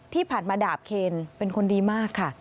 ที่ผ่านมาดาบเคนเป็นคนดีมากค่ะ